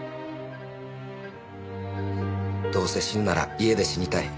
どうせ死ぬなら家で死にたい。